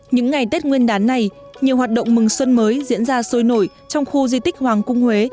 những ngày tết nguyên đán này nhiều hoạt động mừng xuân mới diễn ra sôi nổi trong khu di tích hoàng cung huế